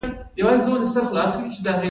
آیا پولیو ختمه شوې؟